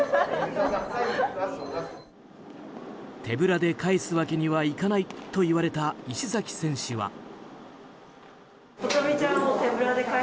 手ぶらで帰すわけにはいかないといわれた石崎選手は。